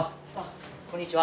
こんにちは。